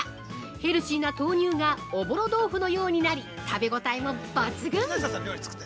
ヘルシーな豆乳がおぼろ豆腐のようになり食べ応えも抜群！